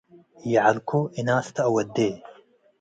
“ይዐልኮ!” እናስ ተአወዴ።